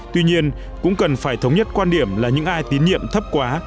tuy nhiên cũng cần phải thống nhất quan điểm là những ai tín nhiệm thấp quá